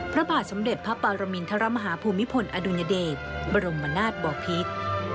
พระบาทสมเด็จพระปรมินทรมาฮาภูมิพลอดุญเดชบรมนาศบอพิษ